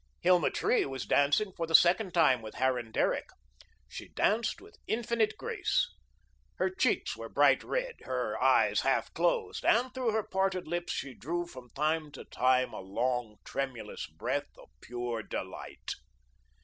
Hilma Tree was dancing for the second time with Harran Derrick. She danced with infinite grace. Her cheeks were bright red, her eyes half closed, and through her parted lips she drew from time to time a long, tremulous breath of pure delight.